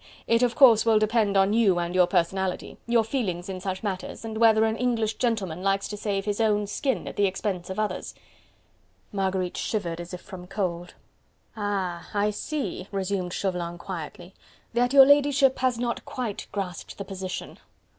It of course will depend on you and your personality... your feelings in such matters... and whether an English gentleman likes to save his own skin at the expense of others." Marguerite shivered as if from cold. "Ah! I see," resumed Chauvelin quietly, "that your ladyship has not quite grasped the position.